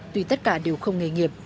tuy tất cả đều không nghề nghiệp